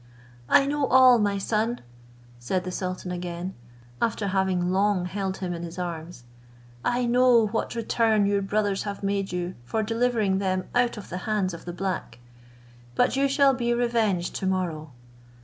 "I know all, my son," said the sultan again, after having long held him in his arms. "I know what return your brothers have made you for delivering them out of the hands of the black; but you shall be revenged to morrow.